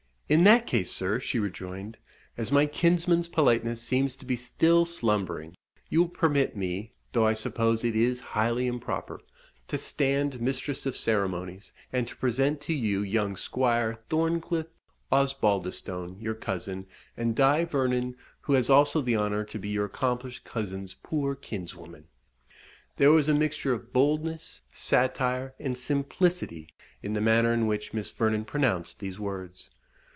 "In that case, sir," she rejoined, "as my kinsman's politeness seems to be still slumbering, you will permit me (though I suppose it is highly improper) to stand mistress of ceremonies, and to present to you young Squire Thorncliff Osbaldistone, your cousin, and Die Vernon, who has also the honour to be your accomplished cousin's poor kinswoman." There was a mixture of boldness, satire, and simplicity in the manner in which Miss Vernon pronounced these words.